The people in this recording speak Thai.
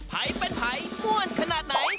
ไผ่เป็นไผ่ม่วนขนาดไหน